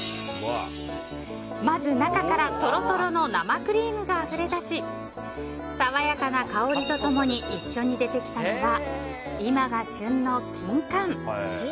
まず、中からとろとろの生クリームがあふれ出し爽やかな香りと共に一緒に出てきたのは今が旬のキンカン。